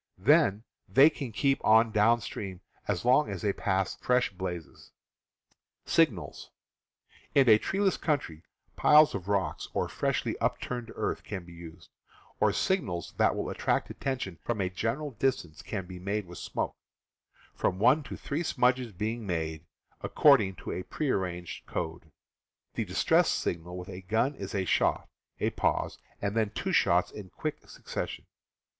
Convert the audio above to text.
Then they can keep on down stream as long as they pass fresh blazes. In a treeless country piles of rock or freshly upturned earth can be used; or signals that will attract attention from a great distance can be made ^* with smoke; from one to three smudges being made, according to a prearranged code. The distress signal with a gun is a shot, a pause, and then two shots in quick succession.